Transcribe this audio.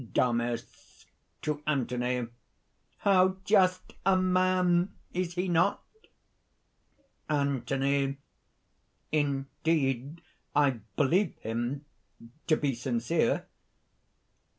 DAMIS (to Anthony). "How just a man? Is he not?" ANTHONY. "Indeed I believe him to be sincere."